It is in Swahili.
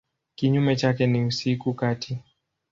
Kinyume chake ni usiku kati.